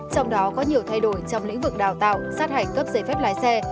trong đó có nhiều thay đổi trong lĩnh vực đào tạo sát hạch cấp giấy phép lái xe